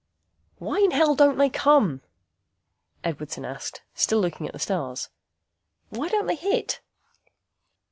"Why in hell don't they come?" Edwardson asked, still looking at the stars. "Why don't they hit?"